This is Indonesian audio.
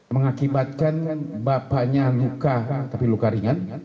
mengakibatkan bapaknya luka tapi luka ringan